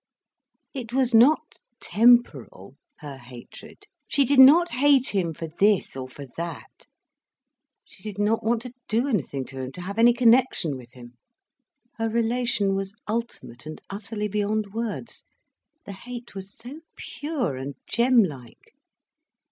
It was not temporal, her hatred, she did not hate him for this or for that; she did not want to do anything to him, to have any connection with him. Her relation was ultimate and utterly beyond words, the hate was so pure and gemlike.